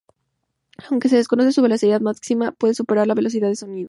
Aunque se desconoce su velocidad máxima, puede superar la velocidad del sonido.